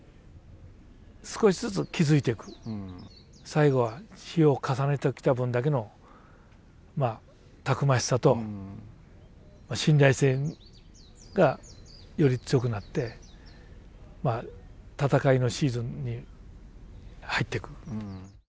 最後は日を重ねてきた分だけのたくましさと信頼性がより強くなって戦いのシーズンに入っていく。